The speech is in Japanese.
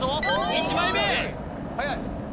１枚目！